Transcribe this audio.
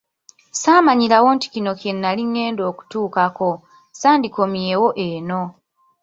"Ssaamanyirawo nti kino kye nnali ngenda okutuukako, ssandikomyewo eno."